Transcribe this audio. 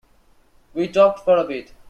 We talked for a bit.